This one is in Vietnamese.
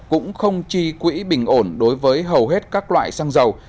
cũng không chi quỹ bình ổn đối với hầu hết các loại xăng dầu